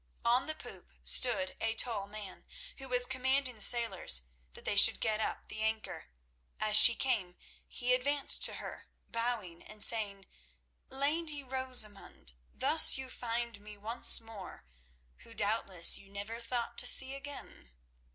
On the poop stood a tall man, who was commanding the sailors that they should get up the anchor. As she came he advanced to her, bowing and saying: "Lady Rosamund, thus you find me once more, who doubtless you never thought to see again."